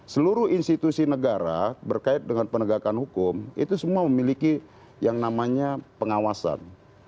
seluruh institusi negara berkait dengan penegakan hukum itu semua memiliki yang namanya pengawasan